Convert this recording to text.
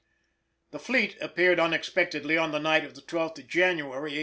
The fleet reappeared unexpectedly on the night of the 12th of January 1865.